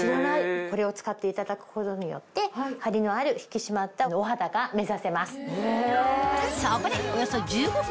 これを使っていただくことによってハリのある引き締まったお肌が目指せます。